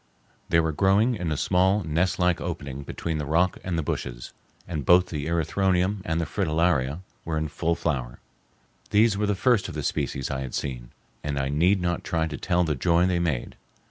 They were growing in a small, nestlike opening between the rock and the bushes, and both the erythronium and the fritillaria were in full flower. These were the first of the species I had seen, and I need not try to tell the joy they made.